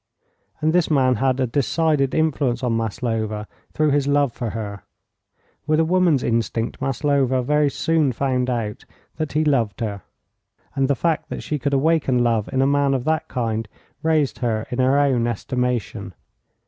And this man had a decided influence on Maslova through his love for her. With a woman's instinct Maslova very soon found out that he loved her. And the fact that she could awaken love in a man of that kind raised her in her own estimation.